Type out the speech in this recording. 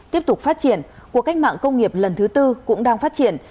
tiếp tục phát triển cuộc cách mạng công nghiệp lần thứ tư cũng đang phát triển